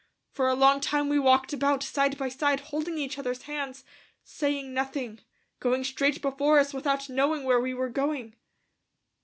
For a long time we walked about, side by side, holding each other's hands, saying nothing, going straight before us without knowing where we were going.